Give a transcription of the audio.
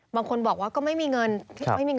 บางคนบอกว่าก็ไม่มีเงิน